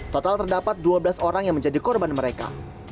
total terdapat dua belas orang yang menjadi korban mereka